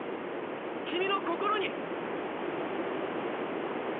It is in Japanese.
君の心に！